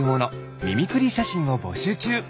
ミミクリーしゃしんをぼしゅうちゅう。